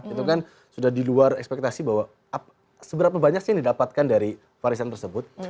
itu kan sudah diluar ekspektasi bahwa seberapa banyak sih yang didapatkan dari varisan tersebut